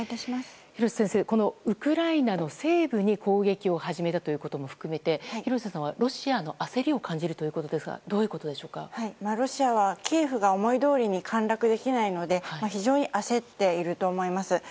廣瀬先生、ウクライナの西部に攻撃を始めたということも含めて廣瀬さんはロシアの焦りを感じるということですがロシアはキエフが思いどおりに陥落できないので非常に焦っていると思います。